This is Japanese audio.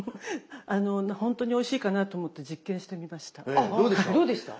本当においしいかなと思って実験してみました。